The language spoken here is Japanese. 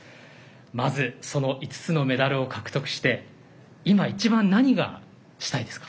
まずその５つのメダルを獲得して今一番、何がしたいですか？